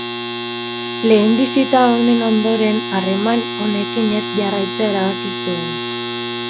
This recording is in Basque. Lehen bisita honen ondoren, harreman honekin ez jarraitzea erabaki zuen.